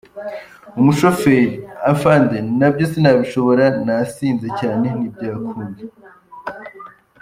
Umushoferi : “Afande, na byo sinabishobora nasinze cyane ntibyakunda !!!”.